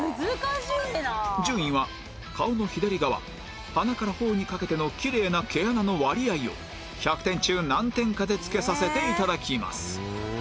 順位は顔の左側鼻から頬にかけてのきれいな毛穴の割合を１００点中何点かでつけさせて頂きます